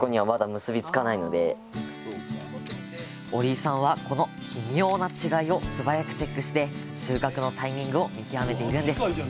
折井さんはこの微妙な違いを素早くチェックして収穫のタイミングを見極めているんです。